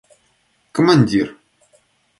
командир